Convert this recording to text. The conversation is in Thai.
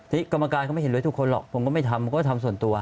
กรรมการเขาไม่เห็นด้วยทุกคนหรอกผมก็ไม่ทำก็ทำส่วนตัว